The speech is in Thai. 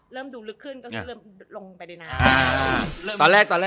เริ่มดูลึกขึ้นก็คือเริ่มลงไปเลยนะคะ